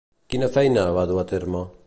Quina feina va dur a terme?